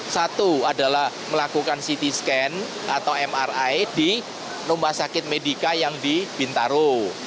satu adalah melakukan ct scan atau mri di rumah sakit medica yang di bintaro